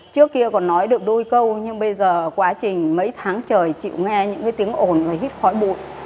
trước kia còn nói được đôi câu nhưng bây giờ quá trình mấy tháng trời chịu nghe những cái tiếng ồn và hít khói bụi